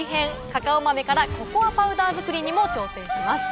カカオ豆からココアパウダー作りにも挑戦します。